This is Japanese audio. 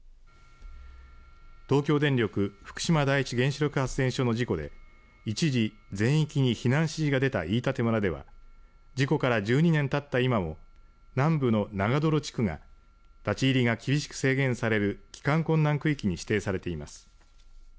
東京電力福島第一原子力発電所の事故で一時、全域に避難指示が出た飯舘村では事故から１２年たった今も南部の長泥地区が立ち入りが厳しく制限される帰還困難区域に指定されています。